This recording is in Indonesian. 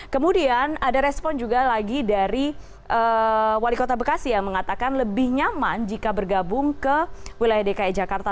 kemudian ada respon juga lagi dari wali kota bekasi yang mengatakan lebih nyaman jika bergabung ke wilayah dki jakarta